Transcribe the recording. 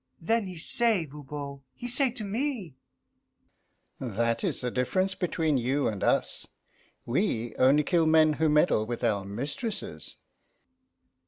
Then he say, Voban, he say to me, "That is the difference between you and us. We only kill men who meddle with our mistresses!"